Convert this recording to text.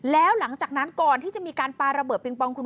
แล้วหลังจากนั้นก่อนที่จะมีการปาระเบิดปิงปองคุณ